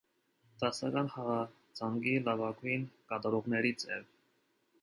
Դասական խաղացանկի լավագույն կատարողներից էր։